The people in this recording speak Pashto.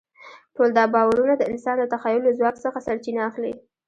ټول دا باورونه د انسان د تخیل له ځواک څخه سرچینه اخلي.